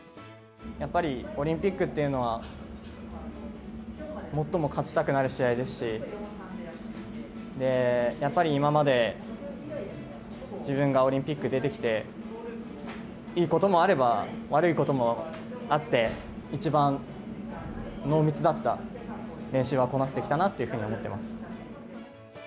やっぱり、オリンピックっていうのは、最も勝ちたくなる試合ですし、やっぱり今まで自分がオリンピック出てきて、いいこともあれば、悪いこともあって、一番濃密だった練習はこなしてきたなというふうに思ってます。